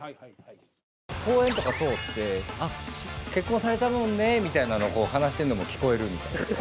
公園とか通って「あっ結婚されたもんね」みたいなのをこう話してるのも聞こえるみたいな。